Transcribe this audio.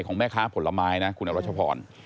ของแม่ค้าผลไม่นะคุณเยาว์รัฐชภร